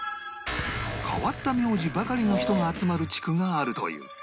変わった名字ばかりの人が集まる地区があるという